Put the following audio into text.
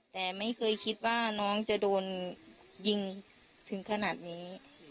แต่ไม่เคยคิดว่าน้องจะโดนยิงถึงขนาดนี้